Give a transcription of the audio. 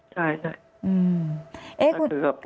ใช่ค่ะ